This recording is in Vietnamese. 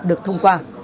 được thông qua